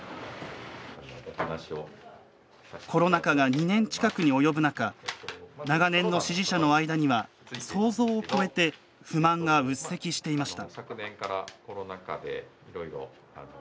コロナ禍が２年近くに及ぶ中長年の支持者の間には想像を超えて不満がうっせきしていました。